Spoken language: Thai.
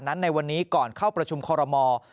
ในวันนี้ก่อนเข้าประชุมคอรมอล์